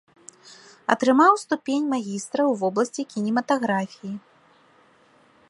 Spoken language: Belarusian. Атрымаў ступень магістра ў вобласці кінематаграфіі.